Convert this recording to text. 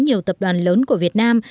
nhiều tập đoàn lớn của việt nam